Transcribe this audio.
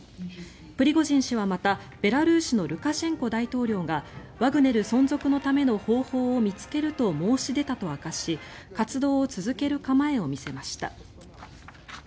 プリゴジン氏はまたベラルーシのルカシェンコ大統領がワグネル存続のための方法を見つけると申し出たと明かし活動を続ける構えを見せました。